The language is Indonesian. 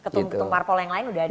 ketumpar pola yang lain sudah ada